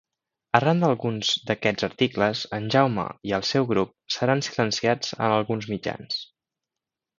Arran d'alguns d'aquests articles, en Jaume i el seu grup seran silenciats en alguns mitjans.